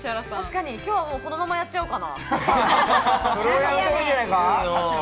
今日このままやっちゃおうかな。